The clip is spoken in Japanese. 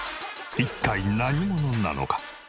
一体何者なのか？